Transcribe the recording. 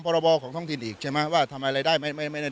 ปรบราโบของถ้องถิ่นอีกใช่ไหมว่าทำอะไรไม่ได้